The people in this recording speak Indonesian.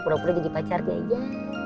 pura pura jadi pacarnya ya